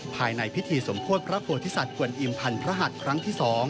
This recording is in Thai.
ภายในพิธีสมโพธิศัตริย์กวนอิมพันธุ์พระหัดครั้งที่๒